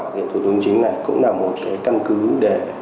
của thủ tục hành chính này cũng là một căn cứ để